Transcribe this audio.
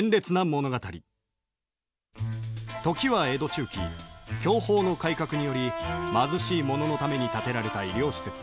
時は江戸中期享保の改革により貧しい者のために建てられた医療施設小石川養生所